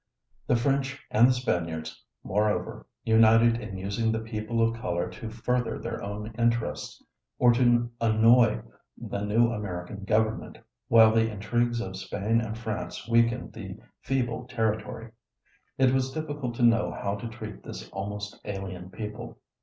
The French and the Spaniards, moreover, united in using the people of color to further their own interests, or to annoy the new American government while the intrigues of Spain and France weakened the feeble territory. It was difficult to know how to treat this almost alien people.